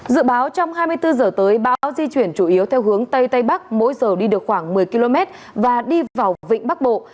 dự báo trong hai mươi bốn h tới bão di chuyển chủ yếu theo hướng tây tây bắc mỗi giờ đi được khoảng một mươi km và đi vào vịnh bắc bộ